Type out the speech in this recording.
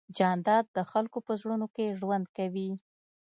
جانداد د خلکو په زړونو کې ژوند کوي.